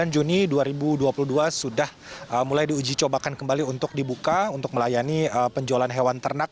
sembilan juni dua ribu dua puluh dua sudah mulai diuji cobakan kembali untuk dibuka untuk melayani penjualan hewan ternak